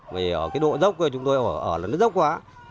vì ở cái độ dốc chúng tôi ở là nó dốc quá